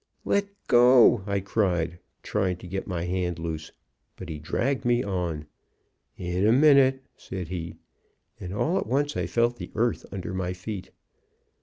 "'Let go!' I cried, trying to get my hand loose; but he dragged me on. "'In a minute,' said he; and all at once I felt the earth under my feet.